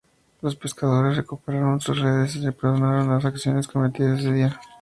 Los pescadores recuperaron sus redes y se les perdonaron las acciones cometidas ese día.